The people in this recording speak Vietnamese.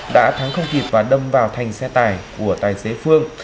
đã thắng không kịp và đâm vào thành xe tài của tài xế phương